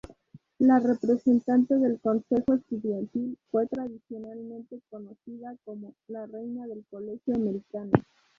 La representante del Consejo Estudiantil fue tradicionalmente conocida como la "Reina del Colegio Americano".